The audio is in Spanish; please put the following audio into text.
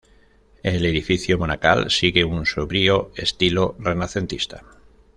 El edificio monacal sigue un sobrio estilo renacentista.